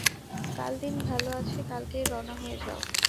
কাল দিন ভালো আছে, কালকেই রওনা হয়ে যাও।